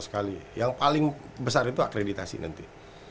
sekali yang paling besar itu akreditasi nanti